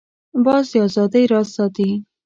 باز د آزادۍ راز ساتي